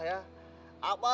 nih abah ya